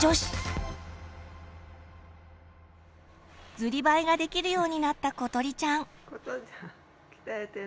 ずりばいができるようになったことりちゃん。